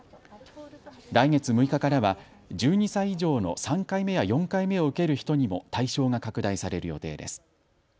来月６日からは１２歳以上の３回目や４回目を受ける人にも対象が拡大される予定です。